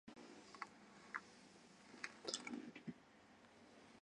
ewfegqrgq